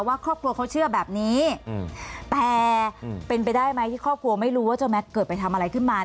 ครอบครัวเขาเชื่อแบบนี้แต่เป็นไปได้ไหมที่ครอบครัวไม่รู้ว่าเจ้าแม็กเกิดไปทำอะไรขึ้นมา